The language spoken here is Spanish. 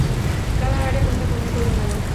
Cada área cuenta con un Coordinador.